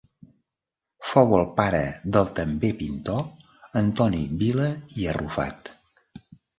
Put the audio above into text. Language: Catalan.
Fou el pare del també pintor Antoni Vila i Arrufat.